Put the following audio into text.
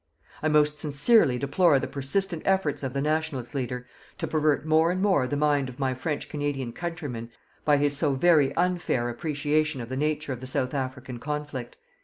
I most sincerely deplore the persistent efforts of the "Nationalist" leader to pervert more and more the mind of my French Canadian countrymen by his so very unfair appreciation of the nature of the South African conflict.